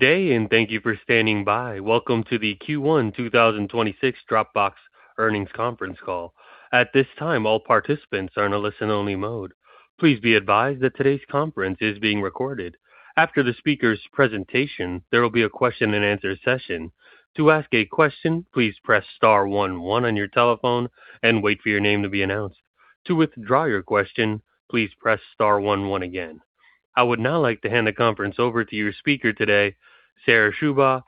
Thank you for standing by. Welcome to the Q1 2026 Dropbox Earnings Conference Call. At this time, all participants are in a listen-only mode. Please be advised that today's conference is being recorded. After the speaker's presentation, there will be a question-and-answer session to ask a question please press star one one and wait for your name to be announced, to withdraw your question press star one one again. I would now like to hand the conference over to your speaker today, Sarah Schubach,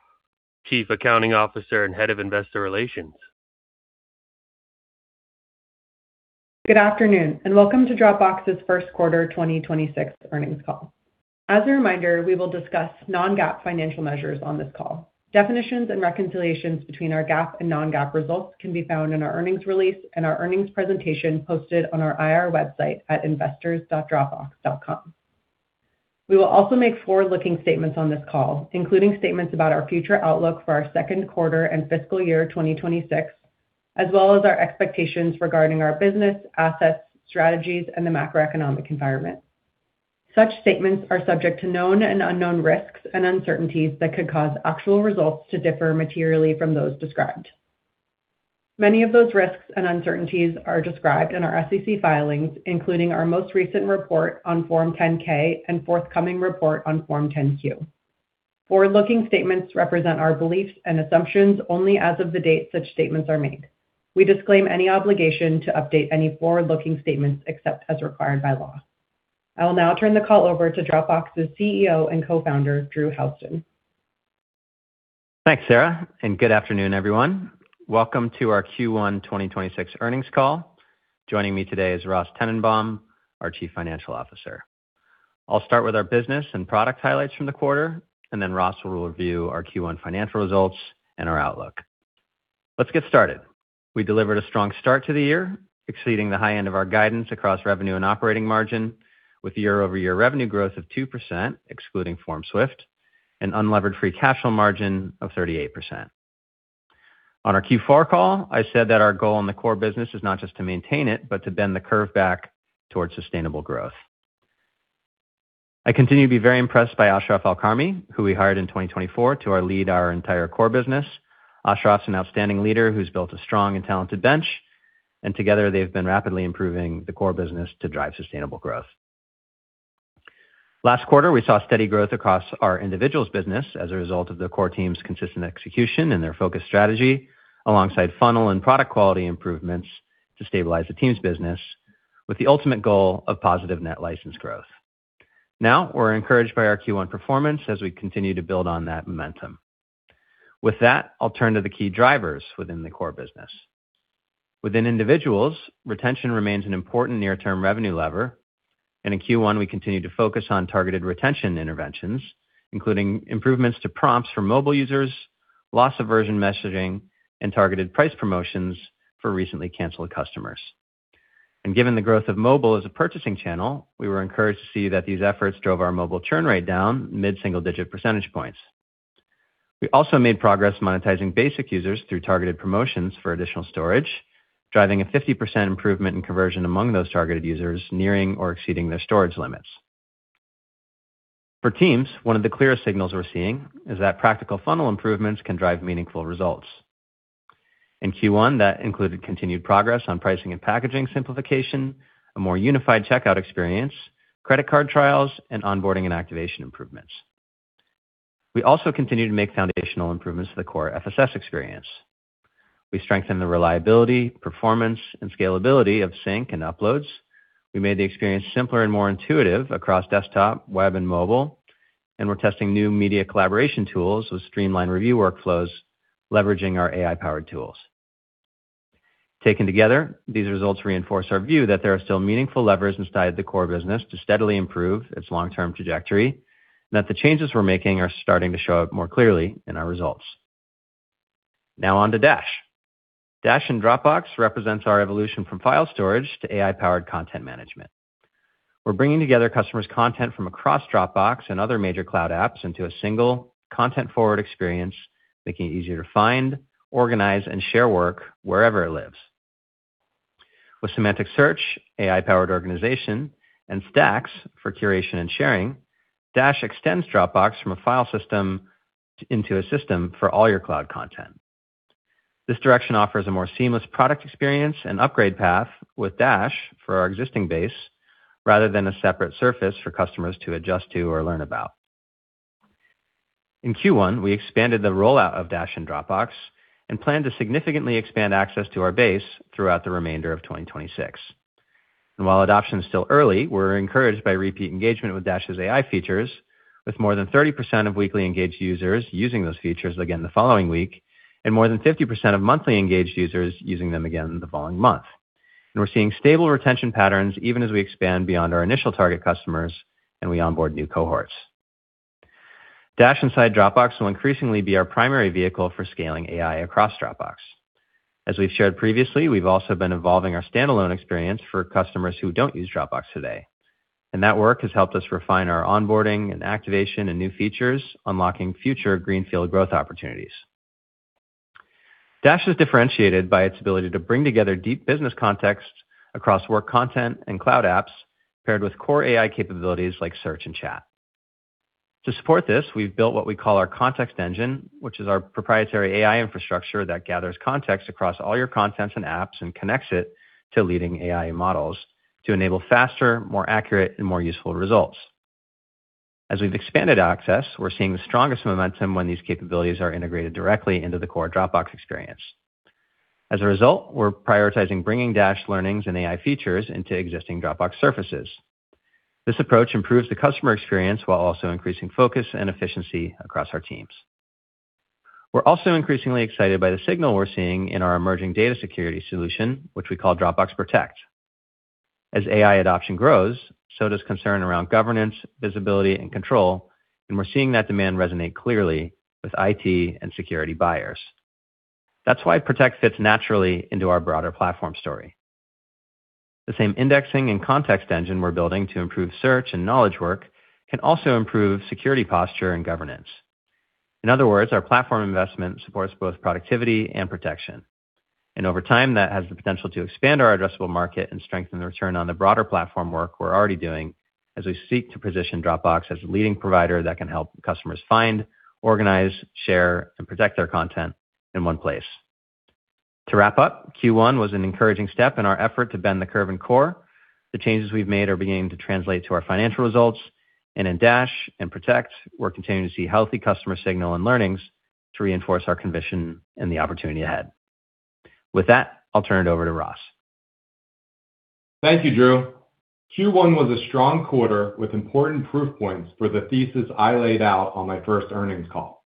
Chief Accounting Officer and Head of Investor Relations. Good afternoon, and welcome to Dropbox's first quarter 2026 earnings call. As a reminder, we will discuss non-GAAP financial measures on this call. Definitions and reconciliations between our GAAP and non-GAAP results can be found in our earnings release and our earnings presentation posted on our IR website at investors.dropbox.com. We will also make forward-looking statements on this call, including statements about our future outlook for our second quarter and fiscal year 2026, as well as our expectations regarding our business, assets, strategies, and the macroeconomic environment. Such statements are subject to known and unknown risks and uncertainties that could cause actual results to differ materially from those described. Many of those risks and uncertainties are described in our SEC filings, including our most recent report on Form 10-K and forthcoming report on Form 10-Q. Forward-looking statements represent our beliefs and assumptions only as of the date such statements are made. We disclaim any obligation to update any forward-looking statements except as required by law. I will now turn the call over to Dropbox's CEO and Co-Founder, Drew Houston. Thanks, Sarah. Good afternoon, everyone. Welcome to our Q1 2026 earnings call. Joining me today is Ross Tennenbaum, our Chief Financial Officer. I'll start with our business and product highlights from the quarter. Then Ross will review our Q1 financial results and our outlook. Let's get started. We delivered a strong start to the year, exceeding the high end of our guidance across revenue and operating margin with year-over-year revenue growth of 2%, excluding FormSwift, and unlevered free cash flow margin of 38%. On our Q4 call, I said that our goal in the Core business is not just to maintain it but to bend the curve back towards sustainable growth. I continue to be very impressed by Ashraf Alkarmi, who we hired in 2024 to lead our entire Core business. Ashraf's an outstanding leader who's built a strong and talented bench. Together they've been rapidly improving the Core business to drive sustainable growth. Last quarter, we saw steady growth across our individuals business as a result of the Core team's consistent execution and their focused strategy alongside funnel and product quality improvements to stabilize the team's business with the ultimate goal of positive net license growth. We're encouraged by our Q1 performance as we continue to build on that momentum. With that, I'll turn to the key drivers within the Core business. Within individuals, retention remains an important near-term revenue lever. In Q1, we continued to focus on targeted retention interventions, including improvements to prompts for mobile users, loss aversion messaging, and targeted price promotions for recently canceled customers. Given the growth of mobile as a purchasing channel, we were encouraged to see that these efforts drove our mobile churn rate down mid-single-digit percentage points. We also made progress monetizing basic users through targeted promotions for additional storage, driving a 50% improvement in conversion among those targeted users nearing or exceeding their storage limits. For teams, one of the clearest signals we're seeing is that practical funnel improvements can drive meaningful results. In Q1, that included continued progress on pricing and packaging simplification, a more unified checkout experience, credit card trials, and onboarding and activation improvements. We also continued to make foundational improvements to the Core FSS experience. We strengthened the reliability, performance, and scalability of sync and uploads. We made the experience simpler and more intuitive across desktop, web, and mobile, and we're testing new media collaboration tools with streamlined review workflows, leveraging our AI-powered tools. Taken together, these results reinforce our view that there are still meaningful levers inside the Core business to steadily improve its long-term trajectory, and that the changes we're making are starting to show up more clearly in our results. Now on to Dash. Dash and Dropbox represents our evolution from file storage to AI-powered content management. We're bringing together customers' content from across Dropbox and other major cloud apps into a single content-forward experience, making it easier to find, organize, and share work wherever it lives. With semantic search, AI-powered organization, and stacks for curation and sharing, Dash extends Dropbox from a file system into a system for all your cloud content. This direction offers a more seamless product experience and upgrade path with Dash for our existing base rather than a separate surface for customers to adjust to or learn about. In Q1, we expanded the rollout of Dash and Dropbox and plan to significantly expand access to our base throughout the remainder of 2026. While adoption is still early, we're encouraged by repeat engagement with Dash's AI features, with more than 30% of weekly engaged users using those features again the following week and more than 50% of monthly engaged users using them again the following month. We're seeing stable retention patterns even as we expand beyond our initial target customers and we onboard new cohorts. Dash inside Dropbox will increasingly be our primary vehicle for scaling AI across Dropbox. As we've shared previously, we've also been evolving our standalone experience for customers who don't use Dropbox today. That work has helped us refine our onboarding and activation and new features, unlocking future greenfield growth opportunities. Dash is differentiated by its ability to bring together deep business context across work content and cloud apps, paired with core AI capabilities like search and chat. To support this, we've built what we call our context engine, which is our proprietary AI infrastructure that gathers context across all your contents and apps and connects it to leading AI models to enable faster, more accurate, and more useful results. As we've expanded access, we're seeing the strongest momentum when these capabilities are integrated directly into the core Dropbox experience. As a result, we're prioritizing bringing Dash learnings and AI features into existing Dropbox surfaces. This approach improves the customer experience while also increasing focus and efficiency across our teams. We're also increasingly excited by the signal we're seeing in our emerging data security solution, which we call Dropbox Protect. As AI adoption grows, so does concern around governance, visibility, and control, and we're seeing that demand resonate clearly with IT and security buyers. That's why Protect fits naturally into our broader platform story. The same indexing and context engine we're building to improve search and knowledge work can also improve security posture and governance. In other words, our platform investment supports both productivity and protection. Over time, that has the potential to expand our addressable market and strengthen the return on the broader platform work we're already doing as we seek to position Dropbox as a leading provider that can help customers find, organize, share, and protect their content in one place. To wrap up, Q1 was an encouraging step in our effort to bend the curve in Core. In Dash and Protect, we're continuing to see healthy customer signal and learnings to reinforce our conviction in the opportunity ahead. With that, I'll turn it over to Ross. Thank you, Drew. Q1 was a strong quarter with important proof points for the thesis I laid out on my first earnings call.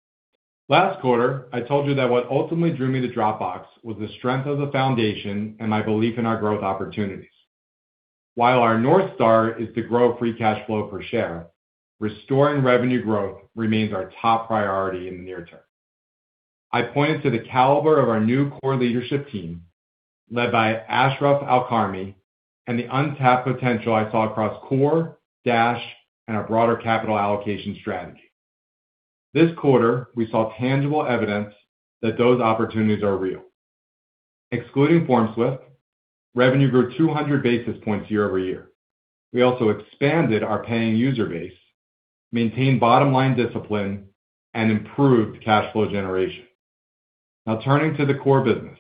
Last quarter, I told you that what ultimately drew me to Dropbox was the strength of the foundation and my belief in our growth opportunities. While our North Star is to grow free cash flow per share, restoring revenue growth remains our top priority in the near term. I pointed to the caliber of our new Core leadership team, led by Ashraf Alkarmi, and the untapped potential I saw across Core, Dash, and our broader capital allocation strategy. This quarter, we saw tangible evidence that those opportunities are real. Excluding FormSwift, revenue grew 200 basis points year-over-year. We also expanded our paying user base, maintained bottom-line discipline, and improved cash flow generation. Now turning to the Core business.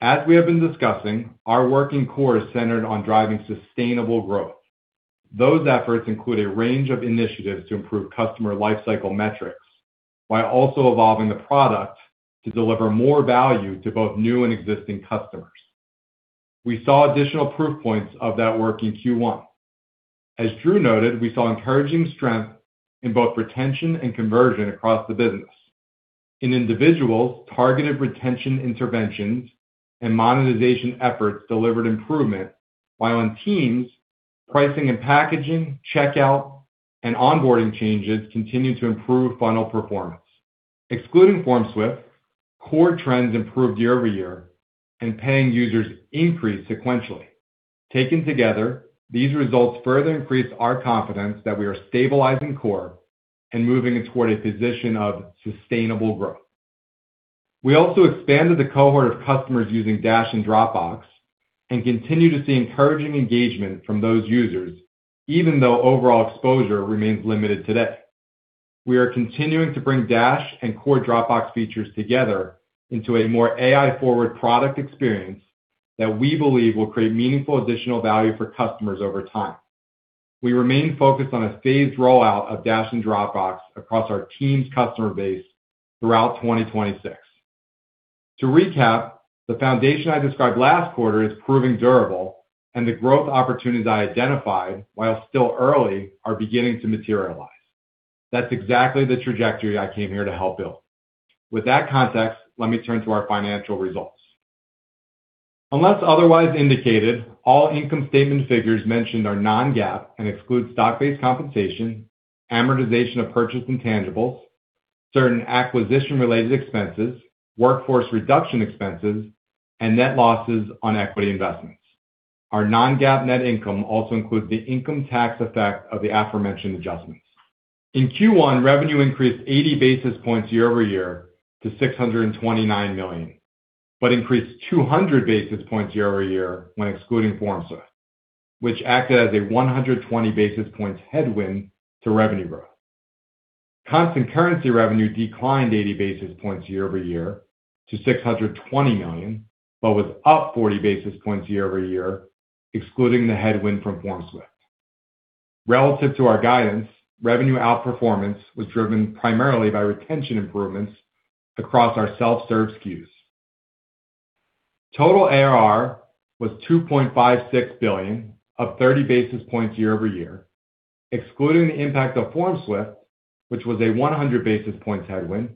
As we have been discussing, our work in Core is centered on driving sustainable growth. Those efforts include a range of initiatives to improve customer lifecycle metrics while also evolving the product to deliver more value to both new and existing customers. We saw additional proof points of that work in Q1. As Drew noted, we saw encouraging strength in both retention and conversion across the business. In individuals, targeted retention interventions and monetization efforts delivered improvement, while on teams, pricing and packaging, checkout, and onboarding changes continued to improve funnel performance. Excluding FormSwift, Core trends improved year-over-year, and paying users increased sequentially. Taken together, these results further increase our confidence that we are stabilizing Core and moving it toward a position of sustainable growth. We also expanded the cohort of customers using Dash and Dropbox and continue to see encouraging engagement from those users, even though overall exposure remains limited today. We are continuing to bring Dash and core Dropbox features together into a more AI-forward product experience that we believe will create meaningful additional value for customers over time. We remain focused on a phased rollout of Dash and Dropbox across our team's customer base throughout 2026. To recap, the foundation I described last quarter is proving durable, and the growth opportunities I identified, while still early, are beginning to materialize. That's exactly the trajectory I came here to help build. With that context, let me turn to our financial results. Unless otherwise indicated, all income statement figures mentioned are non-GAAP and exclude stock-based compensation, amortization of purchased intangibles, certain acquisition-related expenses, workforce reduction expenses, and net losses on equity investments. Our non-GAAP net income also includes the income tax effect of the aforementioned adjustments. In Q1, revenue increased 80 basis points year-over-year to $629 million, increased 200 basis points year-over-year when excluding FormSwift, which acted as a 120 basis points headwind to revenue growth. Constant currency revenue declined 80 basis points year-over-year to $620 million, was up 40 basis points year-over-year, excluding the headwind from FormSwift. Relative to our guidance, revenue outperformance was driven primarily by retention improvements across our self-serve SKUs. Total ARR was $2.56 billion, up 30 basis points year-over-year. Excluding the impact of FormSwift, which was a 100 basis points headwind,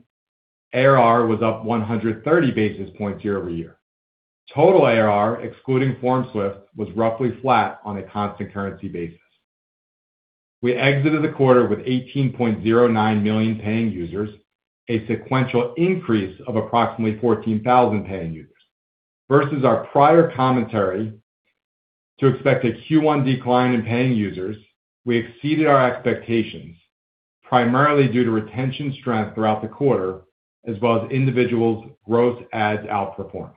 ARR was up 130 basis points year-over-year. Total ARR, excluding FormSwift, was roughly flat on a constant currency basis. We exited the quarter with 18.09 million paying users, a sequential increase of approximately 14,000 paying users. Versus our prior commentary to expect a Q1 decline in paying users, we exceeded our expectations, primarily due to retention strength throughout the quarter, as well as individuals' gross adds outperformance.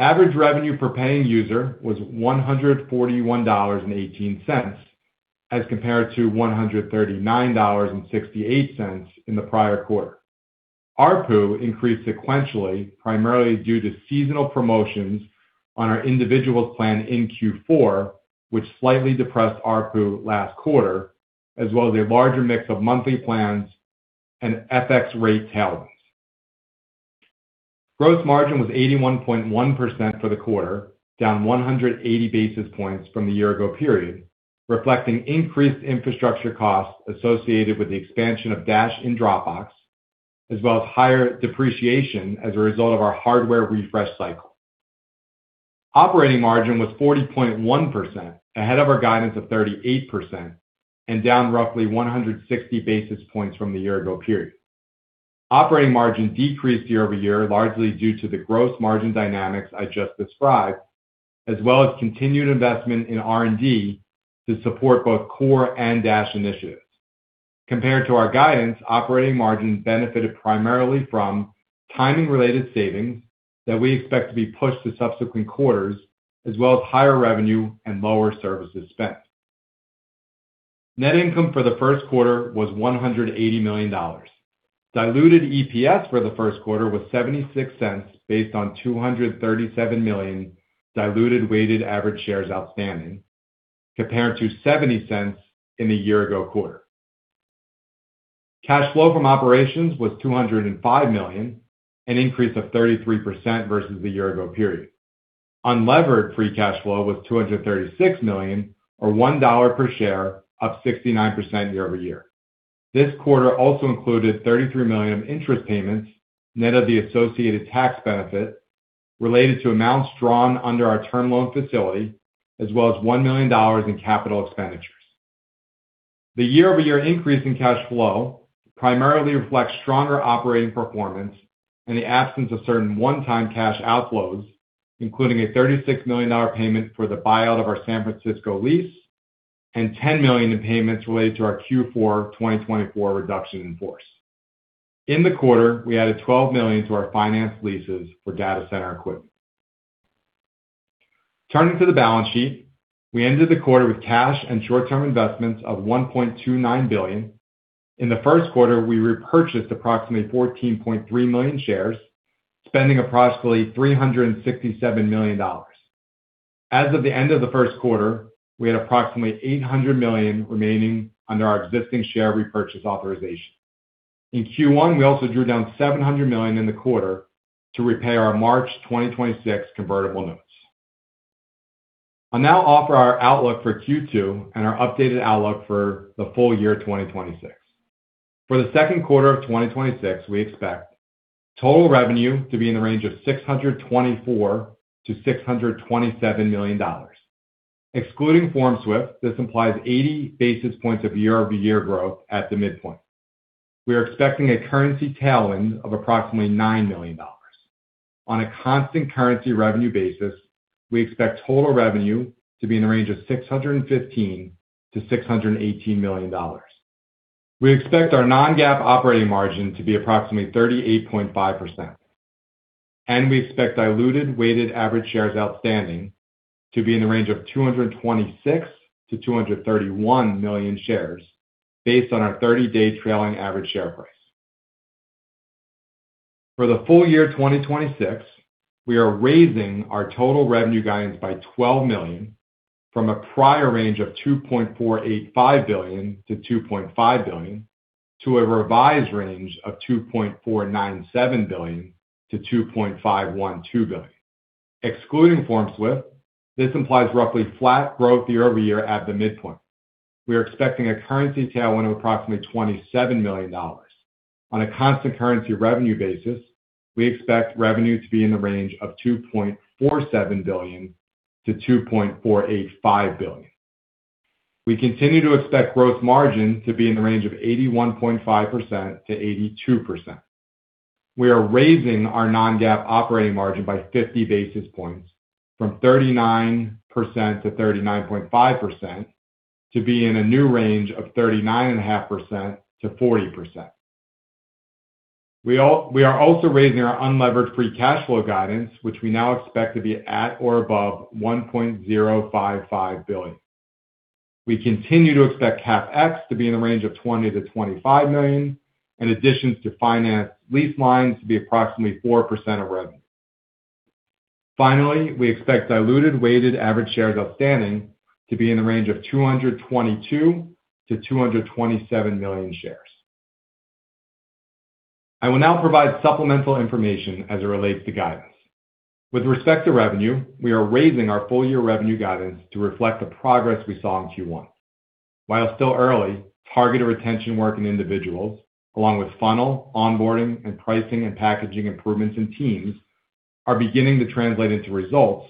Average revenue per paying user was $141.18, as compared to $139.68 in the prior quarter. ARPU increased sequentially, primarily due to seasonal promotions on our individuals plan in Q4, which slightly depressed ARPU last quarter, as well as a larger mix of monthly plans and FX rate tailwinds. Gross margin was 81.1% for the quarter, down 180 basis points from the year-ago period, reflecting increased infrastructure costs associated with the expansion of Dash and Dropbox, as well as higher depreciation as a result of our hardware refresh cycle. Operating margin was 40.1%, ahead of our guidance of 38% and down roughly 160 basis points from the year-ago period. Operating margin decreased year-over-year, largely due to the gross margin dynamics I just described, as well as continued investment in R&D to support both Core and Dash initiatives. Compared to our guidance, operating margin benefited primarily from timing-related savings that we expect to be pushed to subsequent quarters, as well as higher revenue and lower services spent. Net income for the first quarter was $180 million. Diluted EPS for the first quarter was $0.76 based on 237 million diluted weighted average shares outstanding, compared to $0.70 in the year-ago quarter. Cash flow from operations was $205 million, an increase of 33% versus the year-ago period. Unlevered free cash flow was $236 million, or $1 per share, up 69% year-over-year. This quarter also included $33 million interest payments, net of the associated tax benefit, related to amounts drawn under our term loan facility, as well as $1 million in capital expenditures. The year-over-year increase in cash flow primarily reflects stronger operating performance and the absence of certain one-time cash outflows, including a $36 million payment for the buyout of our San Francisco lease and $10 million in payments related to our Q4 2024 reduction in force. In the quarter, we added $12 million to our finance leases for data center equipment. Turning to the balance sheet, we ended the quarter with cash and short-term investments of $1.29 billion. In the first quarter, we repurchased approximately 14.3 million shares, spending approximately $367 million. As of the end of the first quarter, we had approximately $800 million remaining under our existing share repurchase authorization. In Q1, we also drew down $700 million in the quarter to repay our March 2026 convertible notes. I'll now offer our outlook for Q2 and our updated outlook for the full year 2026. For the second quarter of 2026, we expect total revenue to be in the range of $624 million-$627 million. Excluding FormSwift, this implies 80 basis points of year-over-year growth at the midpoint. We are expecting a currency tailwind of approximately $9 million. On a constant currency revenue basis, we expect total revenue to be in the range of $615 million-$618 million. We expect our non-GAAP operating margin to be approximately 38.5%, and we expect diluted weighted average shares outstanding to be in the range of 226 million-231 million shares based on our 30-day trailing average share price. For the full year 2026, we are raising our total revenue guidance by $12 million from a prior range of $2.485 billion-$2.5 billion to a revised range of $2.497 billion-$2.512 billion. Excluding FormSwift, this implies roughly flat growth year-over-year at the midpoint. We are expecting a currency tailwind of approximately $27 million. On a constant currency revenue basis, we expect revenue to be in the range of $2.47 billion-$2.485 billion. We continue to expect gross margin to be in the range of 81.5%-82%. We are also raising our non-GAAP operating margin by 50 basis points from 39%-39.5% to be in a new range of 39.5%-40%. We are also raising our unlevered free cash flow guidance, which we now expect to be at or above $1.055 billion. We continue to expect CapEx to be in the range of $20 million-$25 million, and additions to finance lease lines to be approximately 4% of revenue. Finally, we expect diluted weighted average shares outstanding to be in the range of 222 million-227 million shares. I will now provide supplemental information as it relates to guidance. With respect to revenue, we are raising our full-year revenue guidance to reflect the progress we saw in Q1. While still early, targeted retention work in individuals, along with funnel, onboarding, and pricing and packaging improvements in teams, are beginning to translate into results,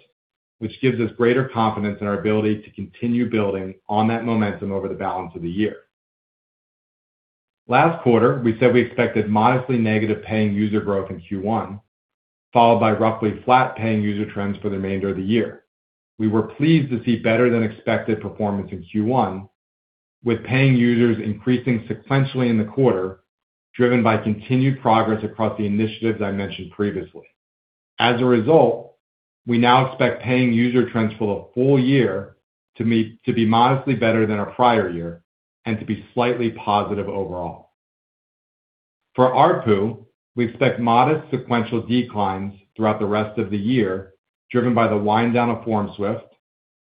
which gives us greater confidence in our ability to continue building on that momentum over the balance of the year. Last quarter, we said we expected modestly negative paying user growth in Q1, followed by roughly flat paying user trends for the remainder of the year. We were pleased to see better than expected performance in Q1, with paying users increasing sequentially in the quarter, driven by continued progress across the initiatives I mentioned previously. As a result, we now expect paying user trends for the full year to be modestly better than our prior year and to be slightly positive overall. For ARPU, we expect modest sequential declines throughout the rest of the year, driven by the wind down of FormSwift,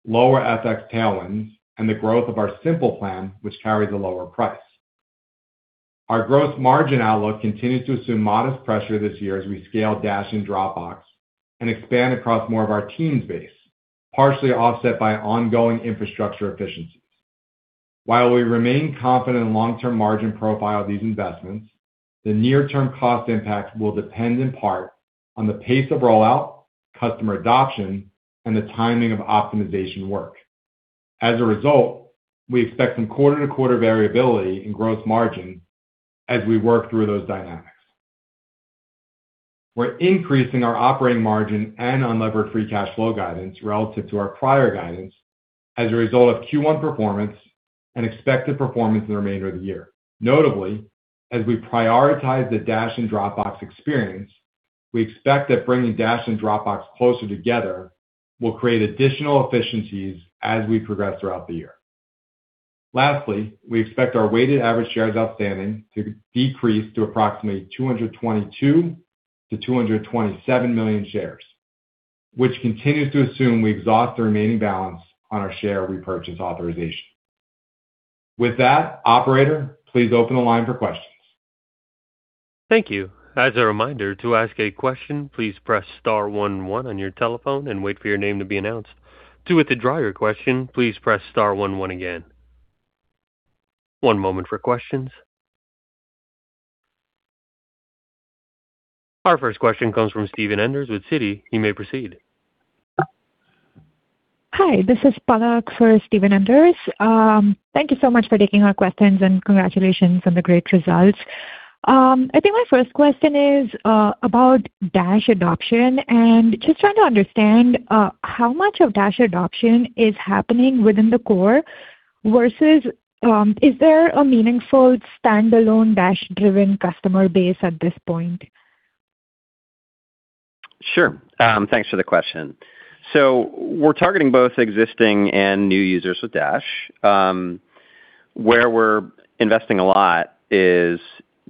lower FX tailwinds, and the growth of our simple plan, which carries a lower price. Our gross margin outlook continued to assume modest pressure this year as we scale Dash and Dropbox and expand across more of our teams base, partially offset by ongoing infrastructure efficiencies. While we remain confident in long-term margin profile of these investments, the near term cost impact will depend in part on the pace of rollout, customer adoption, and the timing of optimization work. As a result, we expect some quarter-to-quarter variability in gross margin as we work through those dynamics. We're increasing our operating margin and unlevered free cash flow guidance relative to our prior guidance as a result of Q1 performance and expected performance in the remainder of the year. Notably, as we prioritize the Dash and Dropbox experience, we expect that bringing Dash and Dropbox closer together will create additional efficiencies as we progress throughout the year. Lastly, we expect our weighted average shares outstanding to decrease to approximately 222 million-227 million shares, which continues to assume we exhaust the remaining balance on our share repurchase authorization. With that, operator, please open the line for questions. Thank you. As a reminder, to ask a question, please press star one one on your telephone and wait for your name to be announced. To withdraw your question, please press star one one again. One moment for questions. Our first question comes from Steven Enders with Citi. You may proceed. Hi, this is Palak for Steven Enders. Thank you so much for taking our questions and congratulations on the great results. I think my first question is about Dash adoption. Just trying to understand how much of Dash adoption is happening within the Core versus, is there a meaningful standalone Dash-driven customer base at this point? Sure. Thanks for the question. We're targeting both existing and new users with Dash. Where we're investing a lot is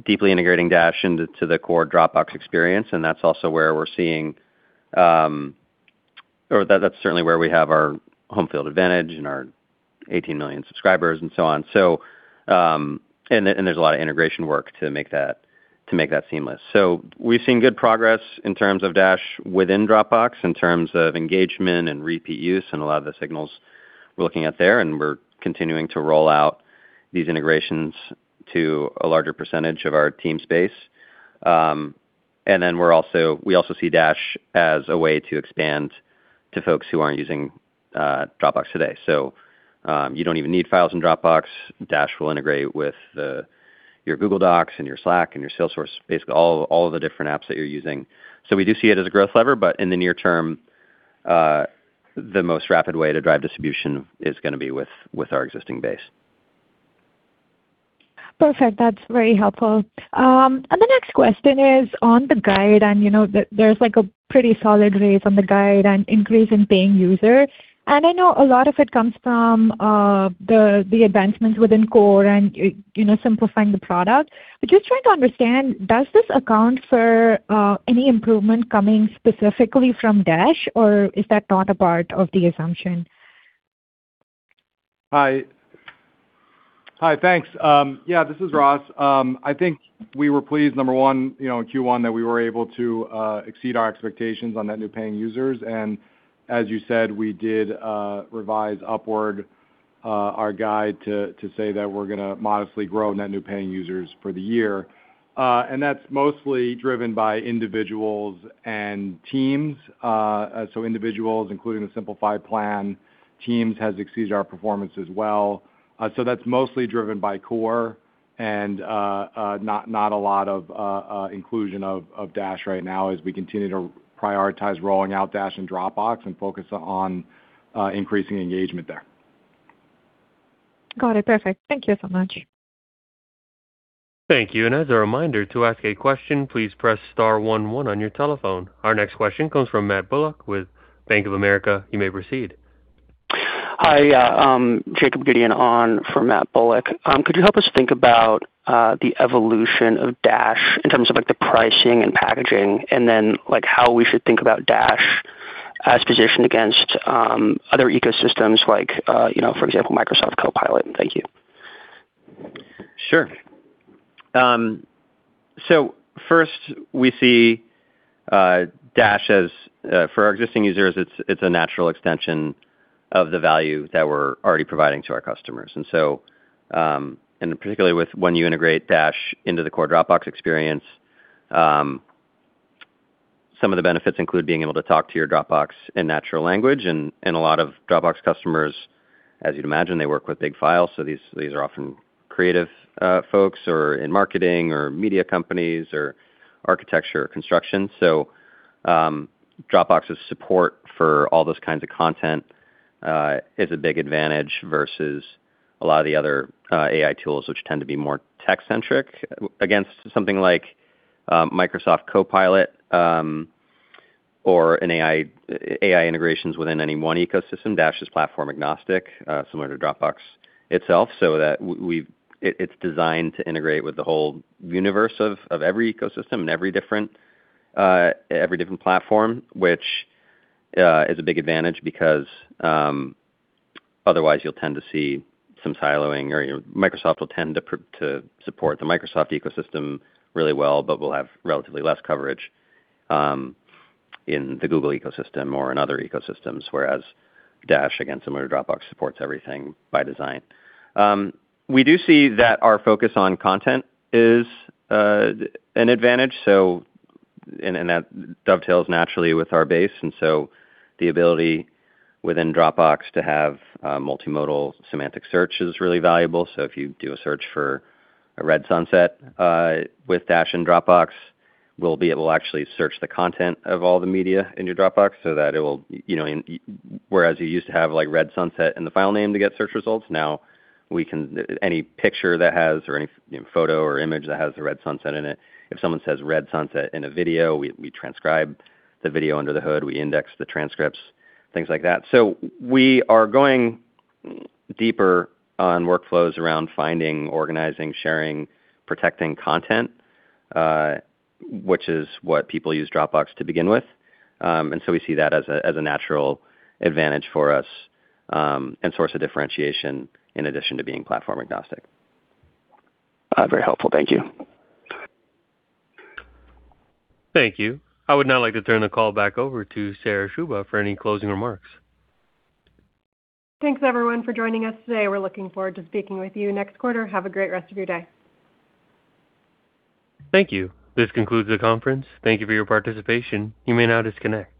deeply integrating Dash into the core Dropbox experience, and that's certainly where we have our home field advantage and our 18 million subscribers and so on. There's a lot of integration work to make that seamless. We've seen good progress in terms of Dash within Dropbox, in terms of engagement and repeat use and a lot of the signals we're looking at there, and we're continuing to roll out these integrations to a larger percentage of our team space. We also see Dash as a way to expand to folks who aren't using Dropbox today. You don't even need files in Dropbox. Dash will integrate with your Google Docs and your Slack and your Salesforce, basically all of the different apps that you're using. We do see it as a growth lever, but in the near term, the most rapid way to drive distribution is gonna be with our existing base. Perfect. That's very helpful. The next question is on the guide, and, you know, there's like a pretty solid raise on the guide and increase in paying user. I know a lot of it comes from the advancements within Core and, you know, simplifying the product. Just trying to understand, does this account for any improvement coming specifically from Dash, or is that not a part of the assumption? Thanks. Yeah, this is Ross. I think we were pleased, number one, you know, in Q1, that we were able to exceed our expectations on net new paying users. As you said, we did revise upward our guide to say that we're gonna modestly grow net new paying users for the year. That's mostly driven by individuals and teams. Individuals, including the simplified plan, teams, has exceeded our performance as well. That's mostly driven by Core and not a lot of inclusion of Dash right now as we continue to prioritize rolling out Dash and Dropbox and focus on increasing engagement there. Got it. Perfect. Thank you so much. Thank you. As a reminder, to ask a question, please press star one one on your telephone. Our next question comes from Matt Bullock with Bank of America. You may proceed. Hi. Jacob Gideon on for Matt Bullock. Could you help us think about the evolution of Dash in terms of, like, the pricing and packaging, and then, like, how we should think about Dash as positioned against other ecosystems like, you know, for example, Microsoft Copilot? Thank you. Sure. First, we see Dash as for our existing users, it's a natural extension of the value that we're already providing to our customers. Particularly when you integrate Dash into the core Dropbox experience, some of the benefits include being able to talk to your Dropbox in natural language, and a lot of Dropbox customers, as you'd imagine, they work with big files, so these are often creative folks or in marketing or media companies or architecture or construction. Dropbox's support for all those kinds of content is a big advantage versus a lot of the other AI tools which tend to be more tech-centric. Against something like Microsoft Copilot, or an AI integrations within any one ecosystem, Dash is platform agnostic, similar to Dropbox itself, so that it is designed to integrate with the whole universe of every ecosystem and every different, every different platform, which is a big advantage because otherwise you will tend to see some siloing or Microsoft will tend to support the Microsoft ecosystem really well, but will have relatively less coverage in the Google ecosystem or in other ecosystems, whereas Dash, again, similar to Dropbox, supports everything by design. We do see that our focus on content is an advantage, and that dovetails naturally with our base. The ability within Dropbox to have multimodal semantic search is really valuable. If you do a search for a red sunset, with Dash and Dropbox, we'll be able to actually search the content of all the media in your Dropbox. Whereas you used to have like red sunset in the file name to get search results, now we can any picture that has or any photo or image that has a red sunset in it, if someone says red sunset in a video, we transcribe the video under the hood, we index the transcripts, things like that. We are going deeper on workflows around finding, organizing, sharing, protecting content, which is what people use Dropbox to begin with. We see that as a natural advantage for us, and source of differentiation in addition to being platform agnostic. Very helpful. Thank you. Thank you. I would now like to turn the call back over to Sarah Schubach for any closing remarks. Thanks everyone for joining us today. We're looking forward to speaking with you next quarter. Have a great rest of your day. Thank you. This concludes the conference. Thank you for your participation. You may now disconnect.